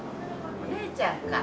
おねえちゃんか。